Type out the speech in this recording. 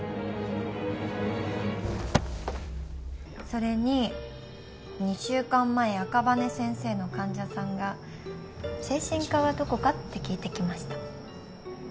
それに２週間前赤羽先生の患者さんが「精神科はどこか？」って聞いてきました。